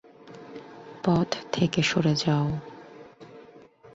পথ থেকে সরে যাও!